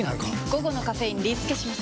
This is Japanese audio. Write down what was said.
午後のカフェインリスケします！